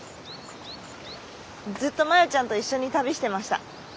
ずっと真与ちゃんと一緒に旅してました。